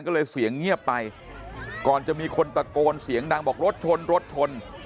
ก็เลยเสียงเงียบไปก่อนจะมีคนตะโกนเสียงดังบอกรถชนรถชน